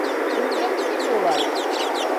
Үлгән бит инде улар.